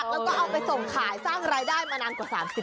แล้วก็เอาไปส่งขายสร้างรายได้มานานกว่า๓๐